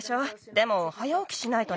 でもはやおきしないとね。